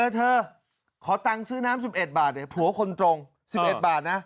เธอขอตังค์ซื้อน้ำ๑๑บาทเดี๋ยวผัวคนตรง๑๑บาทนะ